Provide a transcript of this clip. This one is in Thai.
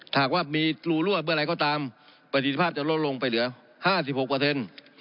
หากว่ามีรูรั่วเมื่อไหร่ก็ตามประสิทธิภาพจะลดลงไปเหลือห้าสิบหกเปอร์เซ็นต์